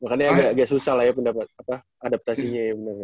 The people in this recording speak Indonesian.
makanya agak susah lah ya pendapat apa adaptasinya ya bener bener